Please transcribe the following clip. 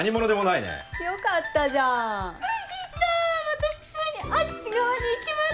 私ついにあっち側に行きますよ！